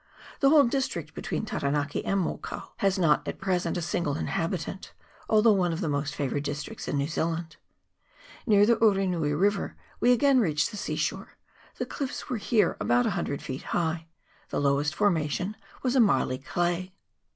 The whole district between Taranaki and Mokau has not at present a single inhabitant, although one of the most favoured districts of New Zealand. Near the Urenui river we again reached the sea shore ; the cliffs were here about a hundred feet high ; the lowest formation was a marly clay.